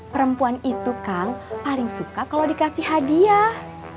perempuan itu kang paling suka kalau dikasih hadiah